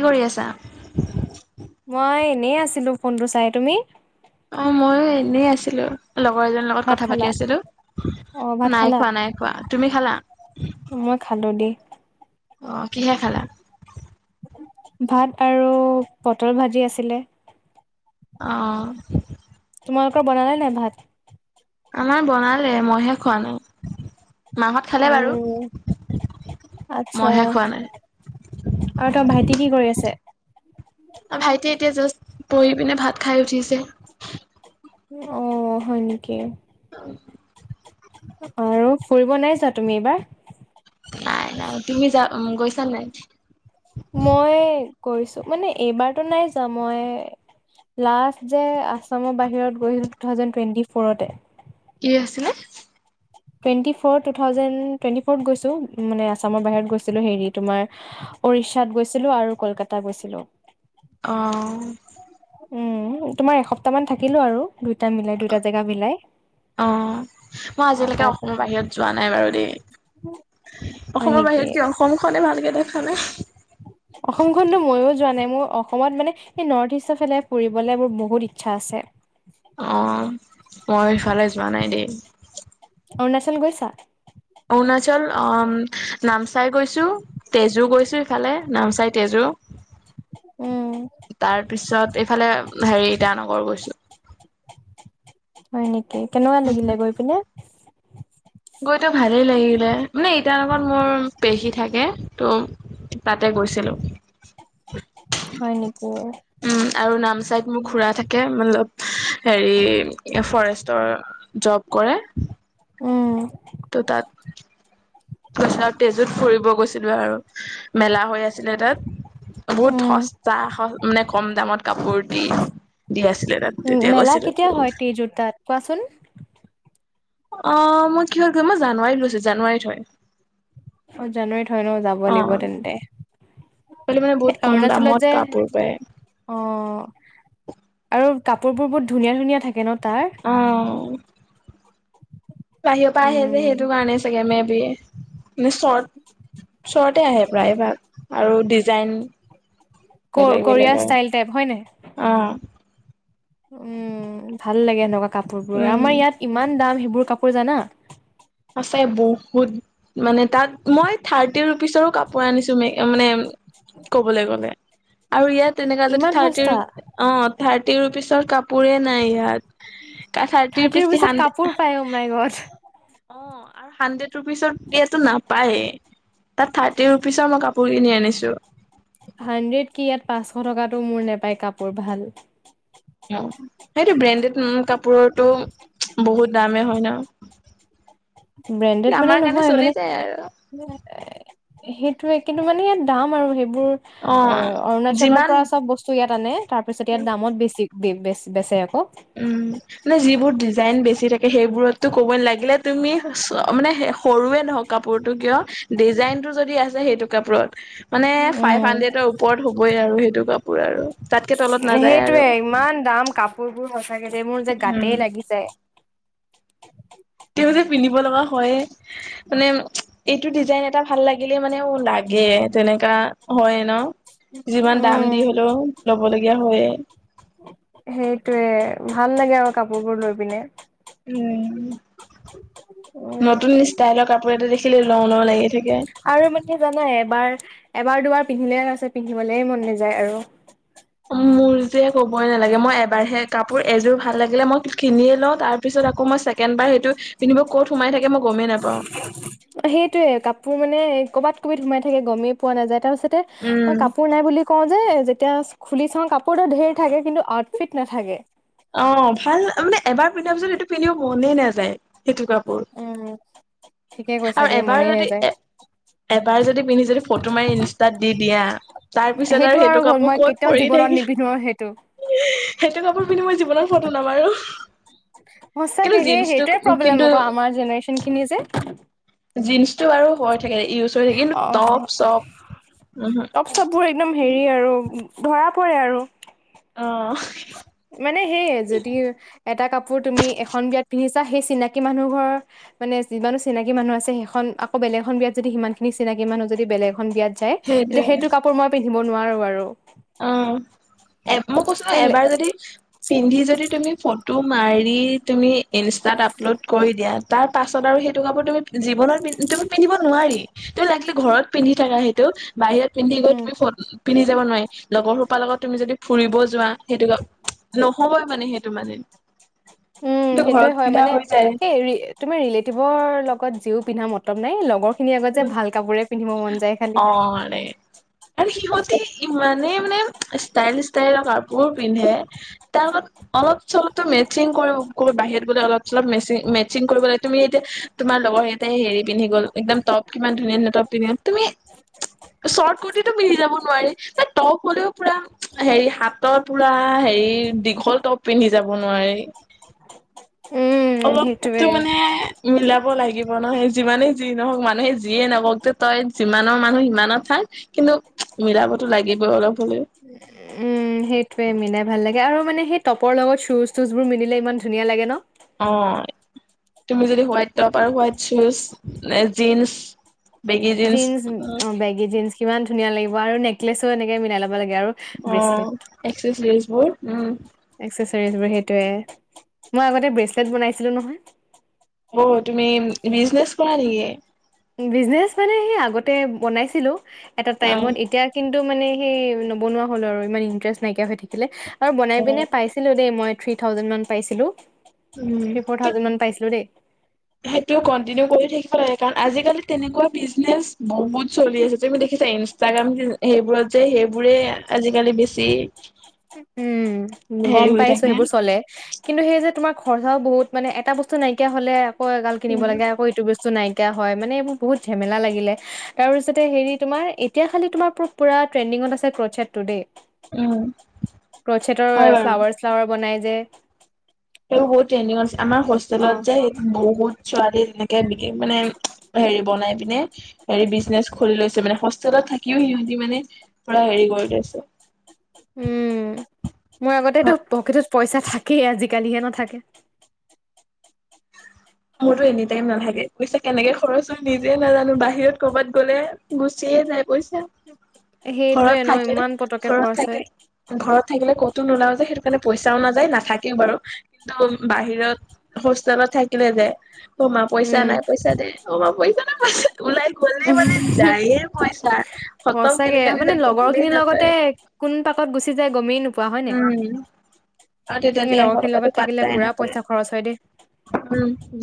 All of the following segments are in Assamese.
কি কৰি আছা? মই এনেই আছিলোঁ ফোনটো চাই, তুমি? অঁ ময়ো এনেই আছিলো। লগৰ এজনীৰ লগত ভাত কথা খালা পাতি আছিলো, অ ভাত খালা নাই খোৱা নাই খোৱা। তুমি খালা? মই খালো দেই। অ কিহে খালা? ভাত আৰু পটল ভাজি আছিলে। অঁ। তোমালোকৰ বনালে নাই ভাত? আমাৰ বনালে মইহে খোৱা নাই। মাহঁত অ খালে বাৰু, আচ্ছা মইহে খোৱা নাই। আৰু তই ভাইটি কি কৰি আছে? অ ভাইটিয়ে এতিয়া জাষ্ট পঢ়ি পিনে ভাত খায় উঠিছে। অ অ হয় নেকি? [unintelligible] আৰু ফুৰিব নাই যোৱা তুমি এইবাৰ? নাই নাই তুমি যা গৈছা নাই? মই গৈছো মানে এইবাৰতো নাই যোৱা মই লাষ্ট যে আছামৰ বাহিৰত গৈছিলো টু থাউজেণ্ড টুৱেণ্টি ফ'ৰতে। কি আছিলে? Twenty four two thousand twenty ফ'ৰত গৈছো, মানে আছামৰ বাহিৰত গৈছিলো হেৰি তোমাৰ উৰিষ্যাত গৈছিলো আৰু কলকাতা গৈছিলো। অঁ। উম তোমাৰ এসপ্তাহ মান থাকিলো আৰু, দুইটা মিলাই দুইটা জেগা মিলাই। অঁ মই অ', আজিলৈকে তাত অসমৰ বাহিৰত যোৱা নাই বাৰু দেই। হয় নেকি? সে কি অসমখনে ভালকে দেখা নাই। অসমখনটো ময়ো যোৱা নাই, মোৰ অসমত মানে সেই নৰ্থ ইষ্টৰ ফালে ফুৰিবলে মোৰ বহুত ইচ্ছা আছে। অঁ মই এইফালে যোৱা নাই দেই। অৰুণাচল গৈছা? অৰুণাচল অম নামচাই গৈছো তেজু গৈছো ইফালে নামচাই তেজু। উম, তাৰপিছত এইফালে হেৰি ইটানগৰ গৈছো। হয় নেকি? কেনেকুৱা লাগিলে গৈ পিনে? গৈতো ভালেই লাগিলে, মানে ইটানগৰত মোৰ পেহী থাকে, ত' তাতে গৈছিলো, হয় নেকি? উম্ আৰু নামচাইত মোৰ খুৰা থাকে, মতলপ হেৰি ফৰেষ্টৰ জব কৰে। উম। ত, তাত। গৈছিল আৰু তেজোত ফুৰিব গৈছিলো আৰু মেলা হৈ আছিলে তাত। বহুত উম। সস্তা মানে কম দামত কাপোৰ দি, দি আছিলে তাত। উম তেতিয়া মেলা গৈছিলো কেতিয়া হয় তিযুতাত কোৱাচোন? অ মই কিহৰ গৈছিলোঁ, মই জানুৱাৰীত গৈছিলো। জানুৱাৰীত হয়। অ' জানুৱাৰীত হয় ন যাব অ লাগিব তেন্তে। মানে সেই বহুত কম অৰুণাচলত দামত যে কাপোৰ পায়। অ'। আৰু কাপোৰ বোৰ বহুত ধুনীয়া ধুনীয়া থাকে ন তাত। অ'। বাহিৰৰ পৰা আহে যে উম, সেইটো কাৰণেই চাগে মে বি‌। চৰ্ট চৰ্ট আহে প্ৰায়। আৰু ডিজাইন বেলেগ ক-কোৰিয়া বেলেগ আৰু ষ্টাইল টাইপ হয় অ' উম্ ভাল লাগে এনেকুৱা কাপোৰ বোৰ, উম আমাৰ ইয়াত ইমান দাম সেইবোৰ কাপোৰ জানা। সঁচাই বহুত মানে তাত মই থাৰ্টি ৰোপিচৰো কাপোৰ আনিছো, ম মানে হয়। ক'বলৈ গ'লে আৰু ইয়াত তেনেকুৱা যদি ইমান থাৰ্টি সস্তা অ' থাৰ্টি ৰোপিচৰ কাপোৰে নাই ইয়াত। থাৰ্টি ৰুপিচ কি ৰোপিচত হানড্ৰেড কাপোৰ পায় অ' মাই গড। অ' আৰু হাণ্ড্ৰেড ৰোপিচৰ কূট্টাটো নাপায় এ। তাত থাৰ্টি ৰোপিচৰ মই কাপোৰ কিনি আনিছো। হাণ্ড্ৰেড কি ইয়াত পাঁচশ টকাটো মোৰ নেপায় কাপোৰ ভাল। অ' সেইটো ব্ৰেণ্ডেড কাপোৰৰটো বহুত দামেই হয় ন। ব্ৰেণ্ডেড মানে আমাৰ কাৰণে নহয় চলি মানে যায় আৰু এ সেইটোয়ে, কিন্তু মানে দাম আৰু সেইবোৰ অ' অৰুণাচলৰ যিমান পৰা চব বস্তু। চ ইয়াত আনে, তাৰ পিছত ইয়াত দামত বেছি বেচে আকৌ। উম মানে, যিবোৰ ডিজাইন বেছি থাকে সেইবোৰতটো ক'বই ন লাগিলে তুমি মানে সৰুৱে নহওঁক কাপোৰটো কিয় ডিজাইনটো যদি আছে সেইটো কাপোৰত মানে ফাইভ উম হাড্ৰেটৰ ওপৰত হ'বই আৰু সেইটো কাপোৰ আৰু তাতকে তলত নাযায় সেইটোৱে আৰু। ইমান দাম কাপোৰ বোৰ সঁচাকে যে মোৰ যে উম গাতেই থাকে। তেওঁ যে পিন্ধিব লগা হয়য়ে মানে এইটো ডিজাইন এটা ভাল লাগিলে মানে লাগে তেনেকা হয় ন। যিমান দাম উম দি হ'লেও ল'ব লগীয়া হয় এই। সেইটোয়ে ভাল লাগে আৰু কাপোৰবোৰ লৈ পিনি। উম্ উম নতুন ষ্টাইলৰ কাপোৰ এটা দেখিলেই ল‌ও ল‌ও লাগি থাকে। আৰু মানে জানাই এবাৰ, এবাৰ- দুবাৰ পিন্ধিলে তাৰ পিছত পিন্ধিবলৈ মন নাযায় আৰু। মোৰ যে কবই নালাগে মই এবাৰহে কাপোৰ এযোৰ ভাল লাগিলে মই কিনিয়ে লওঁ তাৰ পিছত আকৌ মই ছেকেণ্ড বাৰ সৈটো পিন্ধিব ক'ত সোমাই থাকে মই গমেই নাপাওঁ। অ' সেইটোয়ে, কাপোৰ মানে কৰবাত কৰবাত সোমাই থাকে গমেই পোৱা নাযায় তাৰপাছতে উম। মই কাপোৰ নাই বুলি কওঁ যে যেতিয়া খুলি চাওঁ কাপোৰতো ঢেৰ থাকে কিন্তু আউটফিট নাথাকে। অ' ভাল মানে এবাৰ পিন্ধাৰ পিছত এইটো পিন্ধিব মনেই নাযায়। সেইটো কাপোৰ, উম। ঠিকে কৈছা আৰু দেই এবাৰ মনে যদি নাযায় এ এবাৰ যদি পিন্ধি যদি ফটো মাৰি ইনষ্টাত দি দিয়া। তাৰ পিছত আৰু সেইটো হ'ল কাপোৰ মই ক'ত কেতিয়াও পৰি জীৱনত থাকিল নিপিন্ধো সেইটো। সেইটো কাপোৰ পিন্ধি মই জীৱনত ফটো নামাৰো। কিন্তু সঁচাকে সেই জিন্সটো সেইটোৱে প্ৰব্লেম আকৌ আমাৰ জেনেৰেশ্যন খিনিৰ যে। জীঞ্চটো আৰু হৈ থাকে, ইউজ হৈ থাকে কিন্তু টপ চপ ওহুঃ। চববোৰ একদম হেৰি আৰু ধৰা পৰে আৰু। অ' মানে সেইয়ে যদি এটা কাপোৰ তুমি এখন বিয়াত পিন্ধিছা, সেই চিনাকি মানুহ ঘৰৰ মানে যিমান চিনাকি মানুহ আছে, সেইখন আকৌ বেলেগ এখন বিয়াত যদি সিমান খিনি চিনাকি মানুহ যদি বেলেগ এখন বিয়াত যায়, তেতিয়া সেইটোৱে সেইটো কাপোৰ মই পিন্ধিব নোৱাৰো আৰু। অ' এ মই কৈছোঁ এই লে- এবাৰ যদি পিন্ধি যদি তুমি ফ ফটো মাৰি তুমি ইনষ্টাত আপলোড কৰি দিয়া, তাৰ পাছত আৰু সেইটো কাপোৰ তুমি জীৱনত তুমি পিন্ধিব নোৱাৰি, তুমি লাগিলে ঘৰত পিন্ধি থাকা সেইটো বাহিৰত পিন্ধি গৈ উম তুমি ফ পিন্ধি যাব নোৱাৰি। লগৰ সোপাৰ লগত তুমি যদি ফুৰিব যোৱা, সেইটো ন'হবই মানে সেইটো মানে। উম' সেইটো সেইটোয়ে ঘৰত হয় পিন্ধা মানে, হৈ যায় এই তুমি ৰিলেটিভৰ লগত যিও পিন্ধা মতলব নাই, লগৰ ৰ খিনি আগত যে ভাল কাপোৰে পিন্ধিব মন যায় খালি। অ', আৰে আৰু সিহঁতে ইমানেই মানে ষ্টাইল, ষ্টাইলৰ কাপোৰ পিন্ধে, তাৰ লগত অলপ চলপ ত মেচিং কৰিব বাহিৰত গ'লে অলপ চলপ মেচি মেচিং কৰিব লাগে। তুমি এতিয়া তোমাৰ লগৰ কেইটাই হেৰি পিন্ধি গ'ল, একদম টপ কিমান ধুনীয়া-ধুনীয়া টপ পিন্ধি গ'ল। তুমি শৰ্ট কুৰ্টিটো পিন্ধি যাব নোৱাৰি। টপ হ'লেও পুৰা হেৰি হাফ টপ পুৰা হেৰি দীঘল টপ পিন্ধি যাব নোৱাৰি, উম অলপতো সেইটোয়ে মানে মিলাব লাগিব নহয়, যিমানে যি নহওঁক মানুহে যিয়ে নকওঁক যে তই যিমানৰ মানুহ সিমানত থাক। কিন্তু মিলাবতো লাগিবই অলপ হ'লে। সেইটোৱে মিলাই ভাল লাগে, আৰু মানে সেই টপৰ লগত শ্বুজ তুজবোৰ মিলিলে ইমান ধুনীয়া লাগে ন? অ' তুমি যদি হোৱাইট টপ আৰু হোৱাইট শ্বুজ নে জিন্চ বেগী জিন্স জীঞ্চ--অ' অ', বেগী জিঞ্চ কিমান ধুনীয়া লাগিব, আৰু নেক্লেছো এনেকে মিলাই ল'ব লাগে আৰু। ব্ৰেচলেট অ' এক্সেচ ড্ৰেচ বোৰ, উম'। এক্সেচ ড্ৰেচবোৰ সেইটোয়ে, মই আগতে ব্ৰেচলেট বনাইছিলোঁ নহয়। অ' তুমি বিজনেছ কৰা নেকি? বিজনেচ মানে সেই আগতে বনাইছিলোঁ এটা অ টাইমত, এতিয়া কিন্তু মানে সেই নবনোৱা হ'লো আৰু, ইমান ইন্টাৰেষ্ট নাইকিয়া হৈ থাকিলে, আৰু বনাই অ বনাই পাইছ পাইছিলোঁ দেই, মই থ্ৰী থাউজেণ্ড মান পাইছিলোঁ। উম' ত সেইটো কন্টিনিউ কৰি থাকিব লাগে। কাৰণ আজিকালি তেনেকুৱা বিজনেচ বহুত চলি আছে। তুমি দেখিছা, ইনষ্টাগ্ৰাম সেইবোৰত যে সেইবোৰে আজিকালি বেছি উম' হেৰি গ'ম হৈ পাইছোঁ থাকে সেইবোৰ চলে। কিন্তু সেই যে তোমাৰ খৰচাওঁ বহুত মানে এটা বস্তু নাইকিয়া হ'লে আকৌ এগাল কিনিব উম লাগে, আকৌ এইটো বস্তু নাই নাইকিয়া হয়, মানে এইবোৰ বহুত ঝেমেলা লাগিলে। তাৰপিছতে হেৰি তোমাৰ এতিয়া খালি তোমাৰ পুৰা ট্ৰেণ্ডিঙত আছে ক্ৰছেটটো দেই। উম ক্ৰছেটৰ হয় বাৰু ফ্লাৱাৰ চালাৱাৰ বনাই যে সেইবোৰ বহুত ট্ৰেণ্ডিংত আছে। আমাৰ হোষ্টেলত অ'। যে বহুত ছোৱালীয়ে তেনেকে বিকে মানে হেৰি বনাই পিনে হেৰি বিজনেচ খুলি লৈছে, মানে হোষ্টেলত থাকিওঁ সিহঁতি মানে পুৰা হেৰি কৰি লৈছে। উম মোৰ আগতেতো পকেটত পইচা থাকেই আজিকালিহে নথাকে। [unintelligible] মোৰতো এনি টাইম নাথাকে, পইছা কেনেকে খৰচ হৈ নিজে নাজানো। বাহিৰত ক'ৰবাত গ'লে গুচিয়ে যায় বৈছা। সেইটোয়ে ঘৰত ন থাকে, ইমান পতককে ঘৰত খৰচ হয় থাকে। ঘৰত থাকিলে ক'তো নোলাও যায় সেইটো কাৰণে পইচাও নাযায়, নাথাকেও বাৰু। দম বাহিৰত হত থাকিলে যে' অ'মা পইচা উম নাই পইচা দে, অ'মা পইচা নাই ওলাই গলে মানে যায়ে পইচা। খতম সঁচাকে কেনেকে হৈ মানে যায় লগৰ গয়েই খিনিৰ লগতে নাপায়। কোন পাকত গুচি যায় গমেই ন উম আৰু সেই তেতিয়াত লগৰ এশ খিনিৰ লগত টকাটো থাকিলে পাত্তায় পুৰা নেপায়। পইচা খৰচ হয় দেই উম ব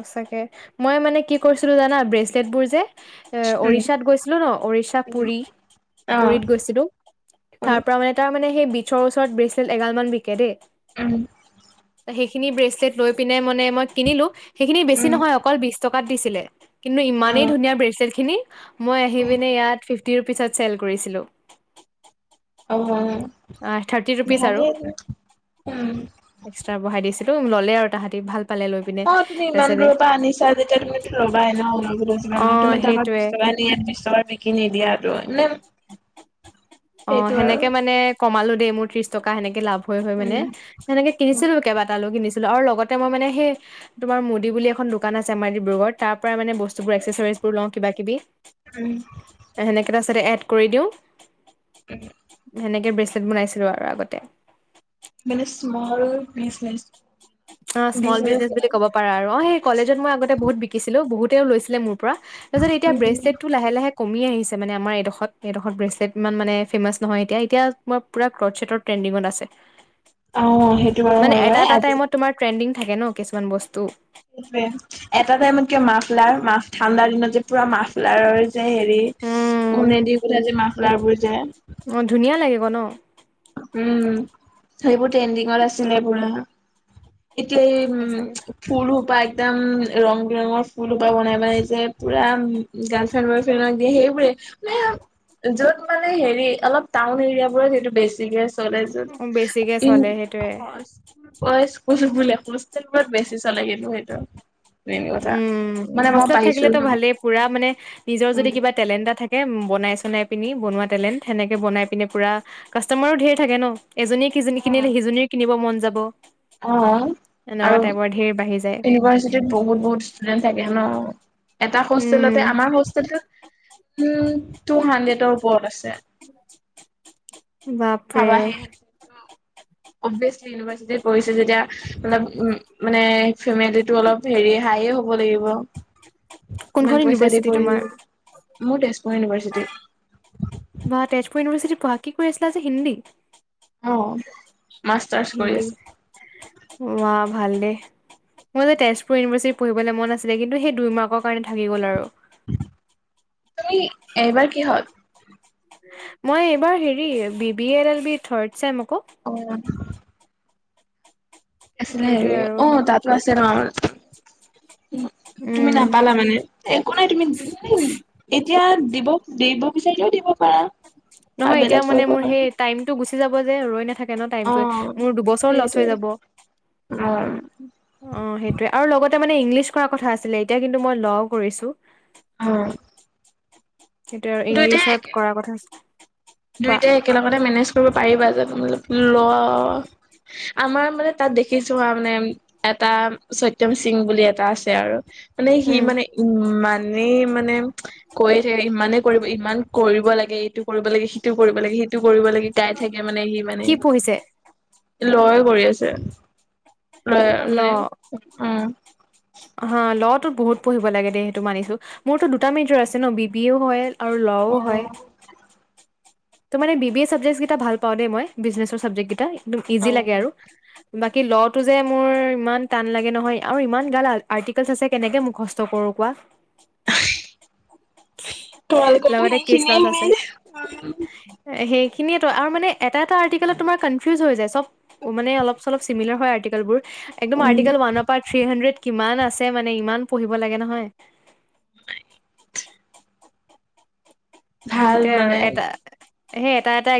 সঁচাকে। মই মানে কি কৰিছিলো জানা ব্ৰেচলেট বোৰ যে এ উৰিষ্যাত গৈছিলো ন' উৰিষ্যা উম পুৰী উম অ অ পুৰীত গৈছিলো! তাৰ পৰা মানে তাৰ মানে সেই বিচৰ ওচৰত ব্ৰেচলেট এগাল মান বিকে দেই! উম' সেইখিনি ব্ৰেচলেট লৈ পিনে মানে মই কিনিলো, সেইখিনি বেছি উম নহয় অকল বিশ টকাত দিছিলে। কিন্তু অ ইমানেই ধুনীয়া ব্ৰেডছেট খিনি মই আহি পিনে ইয়াত ফিফটি ৰুপিচত চেল কৰিছিলো। অ অ। থাৰ্টি ৰুপিচ আৰু। ভালেই উম এক্সট্ৰা বঢ়াই দিছিলো ললে আৰু তাহাঁতি ভাল পালে লৈ পিনে অ তুমি ইমান তাৰপিছতে দূৰ পৰা আনিছা যেতিয়া তুমিটো লবাই অ ন' [unintelligible] তুমি তাৰা সেইটোয়ে বিশ টকা আনি ইয়াত বিশ টকা বি কিনি দিয়া আৰু এনে অ সেনেকে মানে কমালো দেই মোৰ ত্ৰিশ টকা সেনেকে লাভ হয় হয় মানে উম সেনেকে কিনিছিলো কেইবাটালো কিনিছিলো আৰু লগতে মই মানে সেই তোমাৰ মুদী বুলি এখন দোকান আছে আমাৰ ডিব্ৰুগড় তাৰ পৰাই মানে বস্তুবোৰ এক্সেচৰিজ বোৰ লওঁ কিবা কিবি। উম। সেনেকে তাৰপাছতে এড কৰি দিওঁ, এ [unintelligible] সেনেকে ব্ৰেচলেট বনাইছিলো আৰু আগতে। মানে ইছমল বিছ নেচ। অ স্মল বিজনেচ বুলি ক'ব পাৰা আৰু অ' সেই কলেজত মই আগতে বহুত বিকিছিলো। বহুতেও লৈছিলে মোৰ পৰা তাৰপিছ এতিয়া ব্ৰেষ্টলেটটো লাহে লাহে কমি আহিছে মানে আমাৰ এইডোখৰ এইডোখৰত ব্ৰেচলেট ইমান মানে ফেমাছ নহয় এতিয়া, এতিয়া মই পুৰা ক্ৰ্বটচেটৰ ট্ৰেণ্ডিঙত আছে। অ সেইটো বাৰু মানে হয় এটা বাৰু এটা আজি টাইমত তোমাৰ ট্ৰেণ্ডিং থাকে ন কিছুমান বস্তু। সেইোৱে। এটা টাইমতকে মাফ লাৰ মা ঠাণ্ডাৰ দিনত যে পুৰা মাফলাৰৰ যে হেৰি উম উনেদি কঠা যে মাফলাৰ বোৰ যে অ ধুনীয়া লাগিব ন? উম সেইবোৰ ট্ৰেণ্ডিঙত আছিলে পুৰা। এতিয়া এই উম সঁচাকে ফুল সোপা একদম ৰং বিৰঙৰ ফুল সোপা বনাই বনাই যে পুৰা গাৰলফ্ৰেড বইফ্ৰেনক দিযে সেইবোৰে। মানে যত মানে হেৰি অলপ টাউন এৰিয়া বোৰত সেইটো বেছিকে কলেজত অ বেছিকে চলে সেইটোয়ে [inaudible] স্কুল বোলে হোষ্টেল বোৰত বেছি চলে কিন্তু সেইটো মেইন কথা। উম মানে মই হোষ্টেলত পাইছো থাকিলেতো ন ভালেই পুৰা মানে নিজৰ উম যদি কিবা টেলেণ্ট এটা থাকে বনাই চনাই পিনি বনোৱা টেলেণ্ট সেনেকৈ বনাই পিনে পূৰা কাষ্টমাৰো ঢেৰ থাকে ন এজনীয়ে অ কিনিলে সিজনীয়েও কিনিব মন যাব অ এনেকুৱা টাইপৰ ধেৰ বাঢ়ি যায় কিবা যদি বহুত বহুত ষ্টুডেণ্টচ থাকে ন এটা উম হোষ্টেলতে আমাৰ উম টু হাণ্ড্ৰেডৰ ওপৰত আছে বাপ ভাবাহে স অভিয়াচলি ইউনিভাৰ্চিটিত পঢিছে যেতিয়া অলপ উ মানে ফেমিলিটো অলপ হেৰি হাইয়ে হ'ব লাগিব ইমান কোনখন পইচা দি ইউনিভাৰ্চিটি পঢ়িছে তোমাৰ যদি। মোৰ তেজপুৰ ইউনিভাৰ্চিটি বা তেজপুৰ ইউনিভাৰ্চিটিত পঢ়া কি কৰি আছিলা যে হিন্দী অহ হিন্দীত ৱাহ ভালেই মোৰ যে তেজপুৰ ইউনিভাৰ্চিটিত পঢ়িবলৈ মন আছিলে কিন্তু সেই দুই মাৰ্কৰ কাৰণে থাকি গ'ল আৰু তুমি এইবাৰ কিহত মই এইবাৰ হেৰি B B L L B third same আকৌ অহ আছিলে হেৰি সেইটোয়ে আৰু অ তাতো আছে ন তুমি উম নাপালা মানে একো নাই তুমি এতিয়া দিব দিব বিচাৰিলেও দিব পাৰা নহয় আৰু এতিয়া বেলেগ মানে পঢ়িব মোৰ পাৰা। সেই টাইমটো গুচি যাব যে ৰৈ নাথাকে অ টাইমটোৱে মোৰ দুবছৰ লছ হৈ সেইটোৱে যাব অ অহ সেইটোৱে আৰু লগতে মানে ইংলিছ কৰা কথা আছিলে এতিয়া কিন্তু মই ল কৰিছো অঁ সেইটোয়ে আৰু ইংলিছত কৰাৰ কথা আছিলে। দুয়োটাই একেলগতে মেনেজ কৰিব পাৰিবা জানো ল আমাৰ মানে তাত দেখিছো মানে এটা সত্যম সিং বুলি এটা আছে আৰু মানে সি উম মানে ইমান ইমানেই মানে কৈ থাকে ইমানে কৰিব ইমান কৰিব লাগে এইটো কৰিব লাগে সিটো কৰিব লাগে সিটো কৰিব লাগে গাই থাকে মানে সি মানে কি পঢ়িছে ল য়েই কৰি আছে লয় ল মানে উম হা ল' তোত বহুত পঢ়িব লাগে দেই সেইটো মানিছো মোৰতো দুটাত মেজৰ আছে ন বি বি ও হয় আৰু অ লও হয় ত মানে বি বি এ চাবজেক্টচ কেইটা ভাল পাও দেই মই বিজনেচৰ ছাবজেক্ট কেইটা একদম ইজি লাগে আৰু বাকী ল' টো যে মোৰ ইমান টান লাগে নহয় আৰু ইমান গাল আৰ্টিকালছ আছে কেনেকে মুখষ্ট কৰো কোৱা তোমালোকৰতো লগতে কেচ সেইখিনিয়ে লছ আছে মেইন সেইখিনিয়েতো আৰু মানে এটা এটা আৰ্টিকেলত তোমাৰ কানফিউজ হৈ যায় চব অহ মানে অলপ চলপ চিমিলাৰ হয় আৰ্টিকেল বোৰ একদম উম আৰ্টিকেল ওৱানৰ পৰা থ্ৰী হান্ডেড কিমান আছে মানে ইমান পঢ়িব লাগে নহয় ভাল সেইটোয়ে আৰু মানে এটা সেই এটা এটা